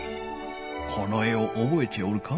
この絵をおぼえておるか？